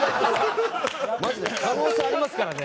マジで可能性ありますからね。